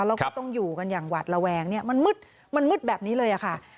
เราก็ต้องอยู่กันอย่างหวัดระแวงเนี่ยมันมืดแบบนี้เลยอะค่ะ